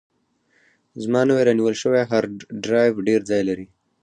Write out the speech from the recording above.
زما نوی رانیول شوی هارډ ډرایو ډېر ځای لري.